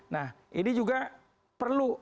nah ini juga perlu